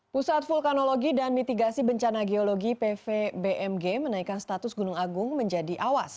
pusat vulkanologi dan mitigasi bencana geologi pvbmg menaikkan status gunung agung menjadi awas